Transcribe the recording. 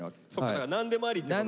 だから何でもありってことか。